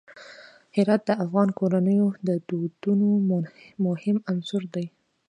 هرات د افغان کورنیو د دودونو مهم عنصر دی.